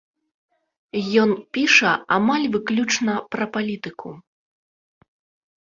Ён піша амаль выключна пра палітыку.